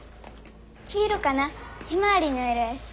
黄色かなひまわりの色やし。